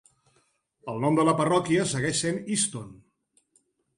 El nom de la parròquia segueix sent Easton.